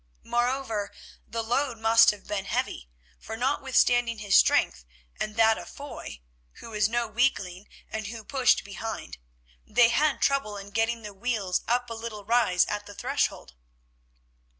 Moreover the load must have been heavy, for notwithstanding his strength and that of Foy, no weakling, who pushed behind, they had trouble in getting the wheels up a little rise at the threshold.